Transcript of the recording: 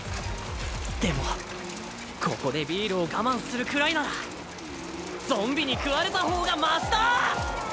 でもここでビールを我慢するくらいならゾンビに食われた方がましだ！